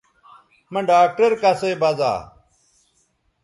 مہ ڈاکٹر کسئ بزا